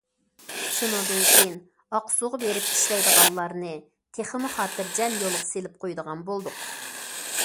شۇنىڭدىن كېيىن ئاقسۇغا بېرىپ ئىشلەيدىغانلارنى تېخىمۇ خاتىرجەم يولغا سېلىپ قويىدىغان بولدۇق.